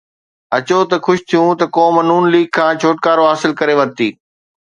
اچو ته خوش ٿيون ته قوم نون ليگ کان ڇوٽڪارو حاصل ڪري ورتي.